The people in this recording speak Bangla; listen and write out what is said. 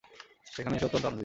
যে এখানে এসে অত্যন্ত আনন্দিত।